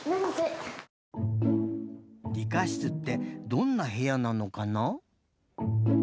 理科室ってどんなへやなのかな？